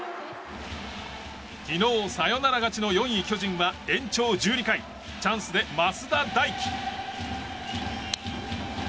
昨日、サヨナラ勝ちの４位、巨人は延長１２回チャンスで増田大輝。